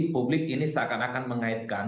publik ini seakan akan mengaitkan